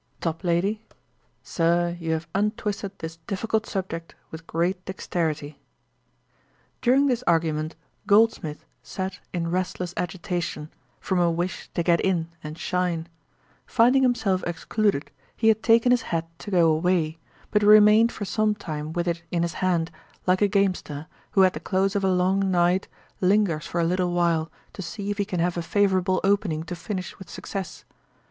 TOPLADY. 'Sir, you have untwisted this difficult subject with great dexterity.' During this argument, Goldsmith sat in restless agitation, from a wish to get in and shine. Finding himself excluded, he had taken his hat to go away, but remained for some time with it in his hand, like a gamester, who at the close of a long night, lingers for a little while, to see if he can have a favourable opening to finish with success.